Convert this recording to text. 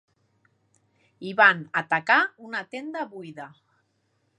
I van atacar una tenda buida.